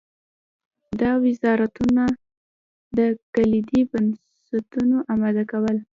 د وزارتونو د کلیدي بستونو اماده کول.